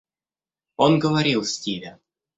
Он говорил Стиве.